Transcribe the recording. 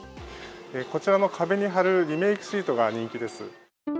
こちらの壁に貼るリメークシートが人気です。